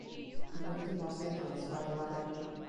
He lived in Los Angeles by the latter.